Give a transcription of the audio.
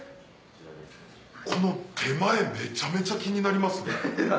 この手前めちゃめちゃ気になります。